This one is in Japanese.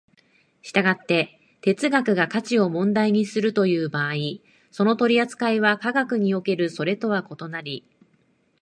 従って哲学が価値を問題にするという場合、その取扱いは科学におけるそれとは異なり、